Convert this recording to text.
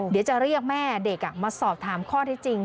เดี๋ยวจะเรียกแม่เด็กมาสอบถามข้อที่จริง